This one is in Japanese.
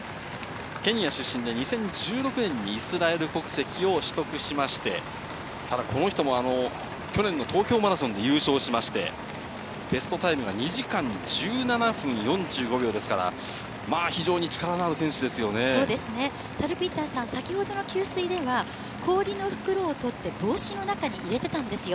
ケニア出身で、２０１６年にイスラエル国籍を取得しまして、ただこの人も去年の東京マラソンで優勝しまして、ベストタイムが２時間１７分４５秒ですから、まあ、非常に力のあそうですね、サルピーターさん、先ほどの給水では、氷の袋を取って、帽子の中に入れてたんですよ。